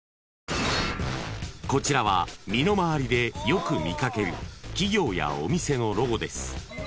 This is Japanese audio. ［こちらは身の回りでよく見掛ける企業やお店のロゴです］